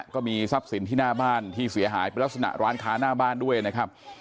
ก็มีทรัพย์สินที่หน้าบ้านที่เสียหายเป็นลักษณะร้านค้าหน้าบ้านด้วยนะครับ